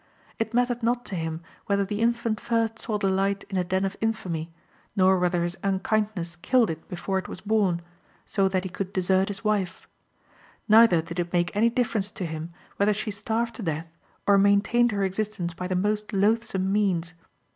It mattered not to him whether the infant first saw the light in a den of infamy, nor whether his unkindness killed it before it was born, so that he could desert his wife. Neither did it make any difference to him whether she starved to death or maintained her existence by the most loathsome means.